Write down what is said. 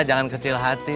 jangan kecil hati